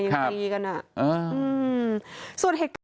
ตีกันอ่ะส่วนเหตุการณ์